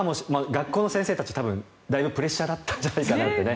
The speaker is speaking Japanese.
学校の先生たちもだいぶプレッシャーだったんじゃないかなと。